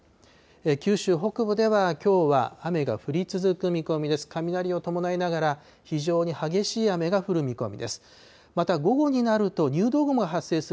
九州北部ではきょうは雨が降り続く見込みです。